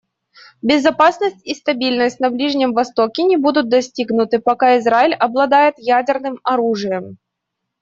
Безопасность и стабильность на Ближнем Востоке не будут достигнуты, пока Израиль обладает ядерным оружием.